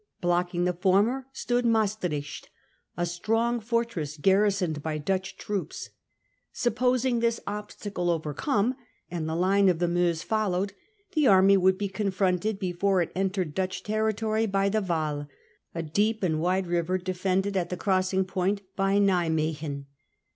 Blocking the former stood Maestricht, a strong The Rhine ^ ortress garrisoned by Dutch troops. Suppos route chosen ing this obstacle overcome, and the line of the by Louis. Meuse followed, the army would be confronted before it entered Dutch territory by the Waal, a deep and wide river, defended at the crossing point by Nim wegen.